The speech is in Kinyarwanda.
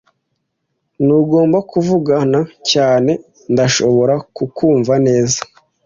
Ntugomba kuvuga cyane. Ndashobora kukumva neza.